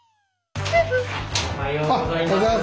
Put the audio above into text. おはようございます。